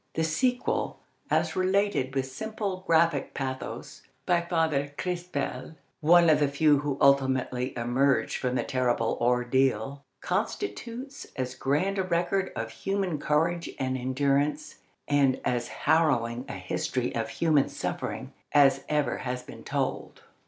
The sequel, as related with simple, graphic pathos by Father Crespel, one of the few who ultimately emerged from the terrible ordeal, constitutes as grand a record of human courage and endurance and as harrowing a history of human suffering as ever has been told.